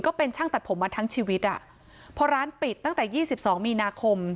ก็เป็นช่างตัดผมมาทั้งชีวิตอ่ะพอร้านปิดตั้งแต่ยี่สิบสองมีนาคม